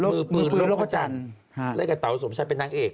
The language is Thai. มือปืนหลวงพ่อจันทร์เล่นกับเต๋าสมชัยเป็นนางเอก